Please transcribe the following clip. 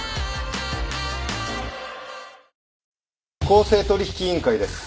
公正取引委員会です。